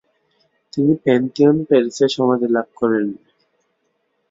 তিনি প্যান্থিওন, প্যারিসে সমাধি লাভ করেন।